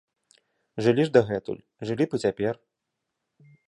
Жылі ж дагэтуль, жылі б і цяпер.